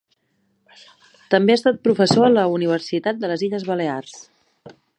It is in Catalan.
També ha estat professor a la Universitat de les Illes Balears.